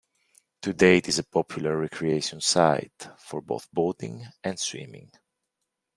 Today it is a popular recreation site, for both boating and swimming.